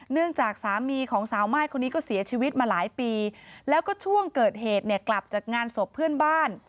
เนื่องจากสามีของสาวม่ายคนนี้ก็เสียชีวิตมาหลายปีแล้วก็ช่วงเกิดเหตุเนี่ยกลับจากงานศพเพื่อนบ้าน